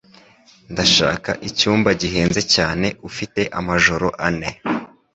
Ndashaka icyumba gihenze cyane ufite amajoro ane